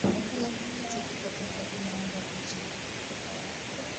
Kama kijiti kitatoka bila unga mbichi keki iko tayari